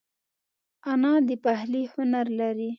انا د پخلي هنر لري